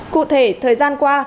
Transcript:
cụ thể thời gian qua